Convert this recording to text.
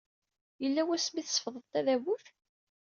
Yella wasmi ay tsefḍeḍ tadabut?